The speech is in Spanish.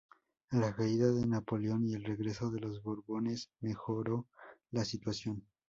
A la caída de Napoleón y el regreso de los borbones, mejoró la situación.